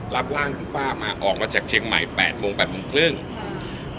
รับร่างคุณต้ามาออกมาจากเชียงใหม่๘๐๐๘๓๐นะครับ